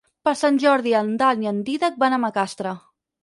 Per Sant Jordi en Dan i en Dídac van a Macastre.